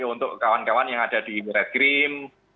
untuk kawan kawan yang ada di red grim